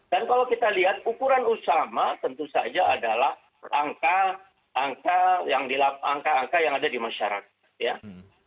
dan kalau kita lihat ukuran usama tentu saja adalah angka angka yang ada di masyarakat